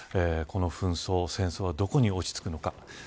この紛争、戦争はどこに落ち着くのか。